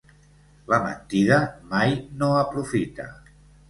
La mentida mai no aprofita.